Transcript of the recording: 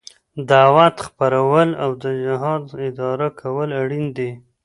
دعوت خپرول او د جهاد اداره کول اړين دي.